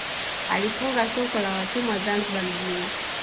Alifunga soko la watumwa Zanzibar mjini